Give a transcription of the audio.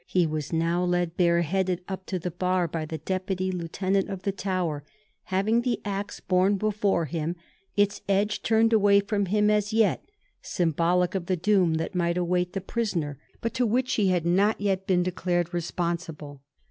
He was now led bareheaded up to the bar by the Deputy Lieutenant of the Tower, having the axe borne before him, its edge turned away firom him as yet, symbolic of the doom that might await the prisoner, but to which he had not yet been declared responsible.